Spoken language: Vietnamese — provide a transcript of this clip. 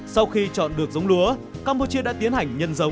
sau khi chọn được giống lúa campuchia đã tiến hành nhân giống